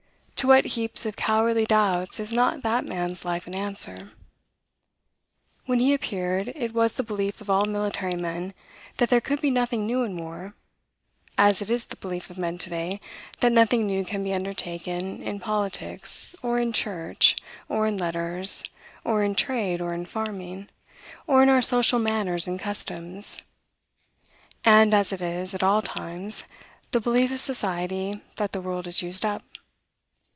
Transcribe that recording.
To what heaps of cowardly doubts is not that man's life an answer. When he appeared, it was the belief of all military men that there could be nothing new in war; as it is the belief of men to day, that nothing new can be undertaken in politics, or in church, or in letters, or in trade, or in farming, or in our social manners and customs; and as it is, at all times, the belief of society that the world is used up.